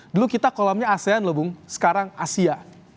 dulu kita kolamnya asean loh bung sekarang asia